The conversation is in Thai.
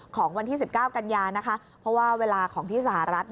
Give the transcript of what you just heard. ของวันที่๑๙กันยานะคะเพราะว่าเวลาของที่สหรัฐ